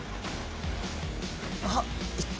あっいった？